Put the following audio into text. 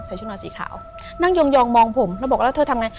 อเรนนี่แกร่งอเรนนี่แกร่ง